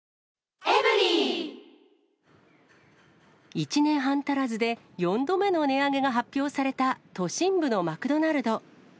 １年半足らずで、４度目の値上げが発表された都心部のマクドナルド。